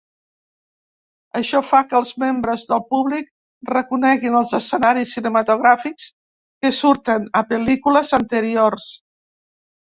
Això fa que els membres del públic reconeguin els escenaris cinematogràfics que surten a pel·lícules anteriors.